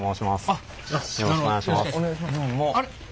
あれ？